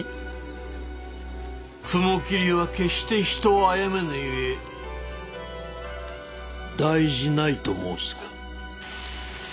雲霧は決して人をあやめぬゆえ大事ないと申すか？